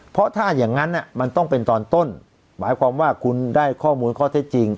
เพราะถ้าอย่างนั้นมันต้องเป็นตอนต้นหมายความว่าคุณได้ข้อมูลข้อเท็จจริง